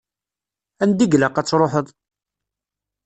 Anda i ilaq ad truḥeḍ?